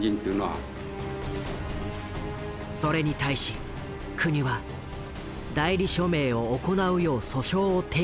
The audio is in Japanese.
それに対し国は代理署名を行うよう訴訟を提起。